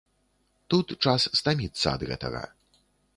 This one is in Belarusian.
Тут час стаміцца ад гэтага.